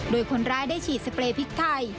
โดยคนร้ายได้ฉีดสเปรย์พริกไทย